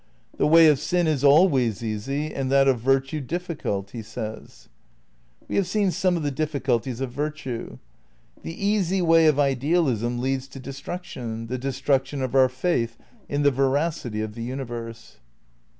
"The way of sin is always easy and that of virtue difficult." (We have seen some of the difficulties of virtue.) The easy way of idealism leads to destruction, the destruction of our faith in the veracity of the universe.